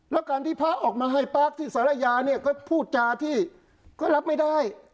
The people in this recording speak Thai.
แล้วการที่พระออกมาให้ปากที่สารยาเนี่ยก็พูดจาที่ก็รับไม่ได้